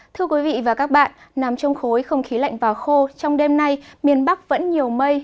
thưa quý vị và các bạn nằm trong khối không khí lạnh và khô trong đêm nay miền bắc vẫn nhiều mây